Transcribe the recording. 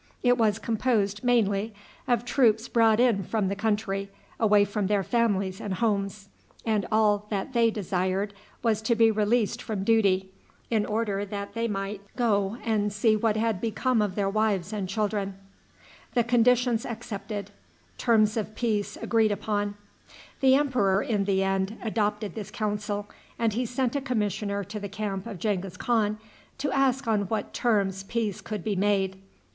It was composed mainly of troops brought in from the country, away from their families and homes, and all that they desired was to be released from duty, in order that they might go and see what had become of their wives and children. The emperor, in the end, adopted this counsel, and he sent a commissioner to the camp of Genghis Khan to ask on what terms peace could be made.